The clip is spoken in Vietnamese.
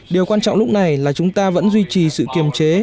điều quan trọng lúc này là chúng ta vẫn duy trì sự kiềm chế